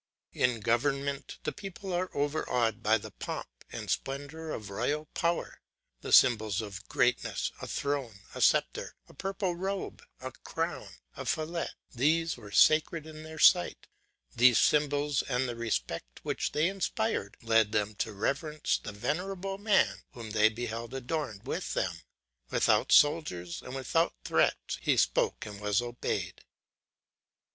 In government the people were over awed by the pomp and splendour of royal power. The symbols of greatness, a throne, a sceptre, a purple robe, a crown, a fillet, these were sacred in their sight. These symbols, and the respect which they inspired, led them to reverence the venerable man whom they beheld adorned with them; without soldiers and without threats, he spoke and was obeyed.